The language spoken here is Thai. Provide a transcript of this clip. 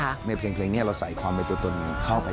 เพราะว่าในเพลงเนี่ยเราใส่ความใบตัวตนเข้าไป